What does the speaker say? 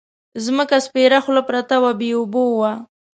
ځمکه سپېره خوله پرته وه بې اوبو وه.